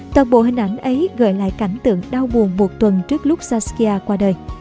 toàn bộ hình ảnh ấy gợi lại cảnh tượng đau buồn một tuần trước lúc saskia qua đời